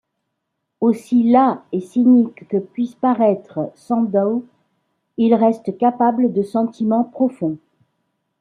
Aussi las et cynique que puisse paraître Sandow, il reste capable de sentiments profonds.